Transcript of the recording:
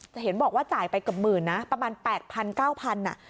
จะเห็นบอกว่าจ่ายไปเกือบหมื่นนะประมาณแปดพันเก้าพันอ่ะ